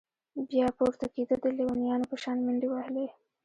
بيا پورته كېده د ليونيانو په شان منډې وهلې.